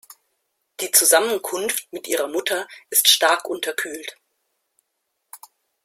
Die Zusammenkunft mit ihrer Mutter ist stark unterkühlt.